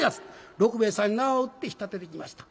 六兵衛さんに縄を打って引っ立てていきました。